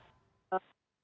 ada yang kena long covid